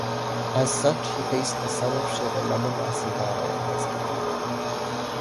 As such he faced the son of Shiva nonetheless in battle and was defeated.